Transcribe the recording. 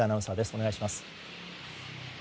お願いします。